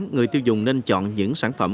người tiêu dùng nên chọn những sản phẩm